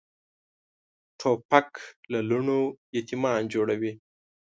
توپک له لوڼو یتیمان جوړوي.